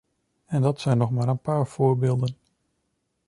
En dat zijn nog maar een paar voorbeelden.